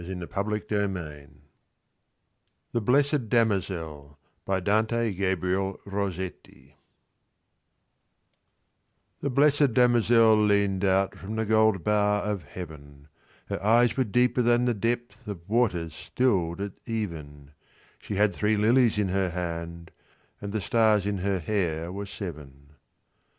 Dante Gabriel Rossetti 1828–82 The Blessed Damozel RossetDG THE BLESSED damozel lean'd outFrom the gold bar of Heaven; Her eyes were deeper than the depthOf waters still'd at even; She had three lilies in her hand, And the stars in her hair were seven.